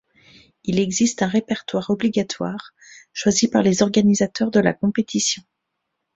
Il existe un répertoire obligatoire, choisi par les organisateurs de la compétition.